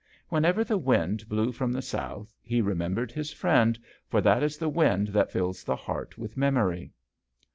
Whenever the wind blew from the south he remembered his friend, for that is the wind that fills the heart with memory.